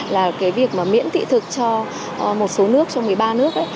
là cái việc miễn tị thực cho một số nước trong một mươi ba nước